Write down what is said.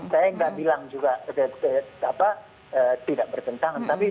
saya nggak bilang juga tidak bertentangan